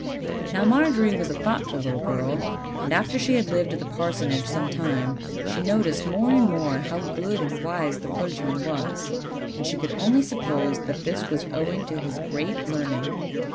Now Margery was a thoughtful little girl; and after she had lived at the parsonage some time, she noticed more and more how good and wise the clergyman was, and she could only suppose that this was owing to his great learning.